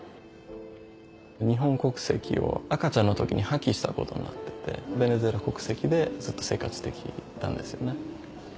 日本国籍を赤ちゃんの時に破棄したことになっててベネズエラ国籍でずっと生活してきたんですよね。